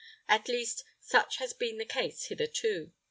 At least, such has been the case hitherto.